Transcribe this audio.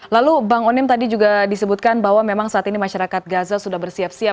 lalu bang onim tadi juga disebutkan bahwa memang saat ini masyarakat gaza sudah bersiap siap